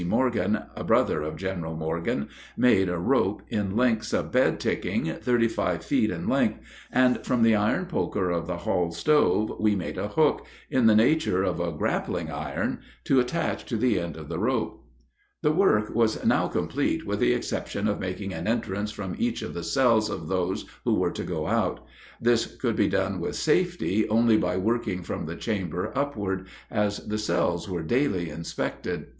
Morgan, a brother of General Morgan, made a rope, in links, of bed ticking, thirty five feet in length, and from the iron poker of the hall stove we made a hook, in the nature of a grappling iron, to attach to the end of the rope. The work was now complete with the exception of making an entrance from each of the cells of those who were to go out. This could be done with safety only by working from the chamber upward, as the cells were daily inspected.